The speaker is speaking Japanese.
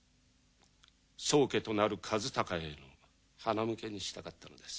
宗家となる和鷹へのはなむけにしたかったのです。